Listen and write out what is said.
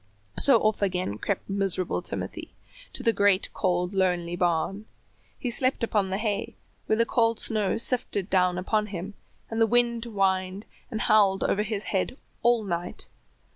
So off again crept miserable Timothy to the great cold lonely barn. He slept upon the hay, where the cold snow sifted down upon him, and the wind whined and howled over his head all night.